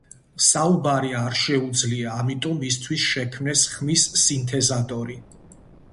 საუბარი არ შეუძლია, ამიტომ მისთვის შექმნეს ხმის სინთეზატორი.